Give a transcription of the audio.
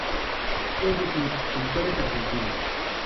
Es decir, pintores argentinos.